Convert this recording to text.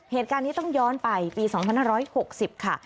เหตุการณ์นี้ต้องย้อนไปปี๒๕๖๐ค่ะ